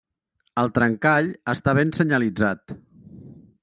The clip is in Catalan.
El trencall està ben senyalitzat.